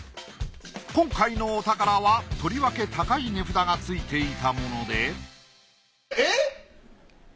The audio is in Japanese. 今回のお宝はとりわけ高い値札がついていたものでえっ？